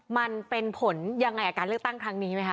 มันเป็นผลยังไงกับการเลือกตั้งครั้งนี้ไหมคะ